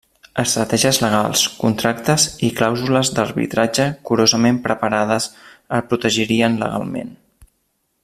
Estratègies legals, contractes i clàusules d'arbitratge curosament preparades el protegirien legalment.